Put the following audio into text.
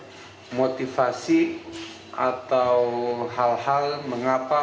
teguh mengenai motivasi atau hal hal mengapa